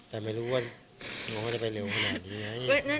แต่ไม่รู้ว่าน้องเขาจะไปเร็วขนาดนี้